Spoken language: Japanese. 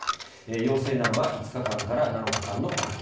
陽性ならば５日間から７日間の隔離。